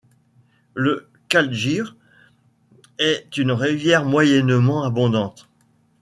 Le Kaldjir est une rivière moyennement abondante.